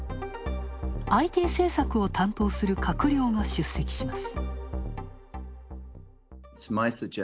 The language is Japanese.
ＩＴ政策を担当する閣僚が出席します。